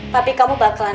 tapi kamu bakal naik kesini